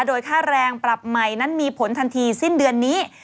โดยค่าแรงปรับใหม่นั้นมีผลทันทีสิ้นเดือนนี้